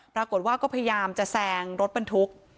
ปรากฏว่าก็พยายามจะแซงรถบรรทุก